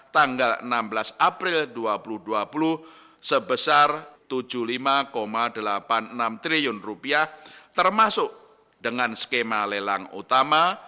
tanggal enam belas april dua ribu dua puluh sebesar rp tujuh puluh lima delapan puluh enam triliun termasuk dengan skema lelang utama